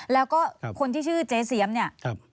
แล้วก็คนที่ชื่อเจ๊เสียมเนี่ย